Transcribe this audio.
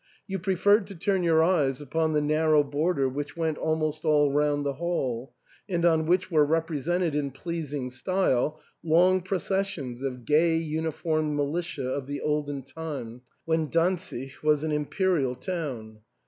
You preferred to turn your eyes upon the narrow bor der which went almost all round the hall, and on which were represented in pleasing style long processions of gay uniformed militia of the olden time, when Dantzic was an Imperial town.